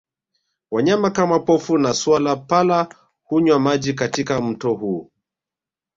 Wanyama kama pofu na swala pala hunywa maji katika mto huu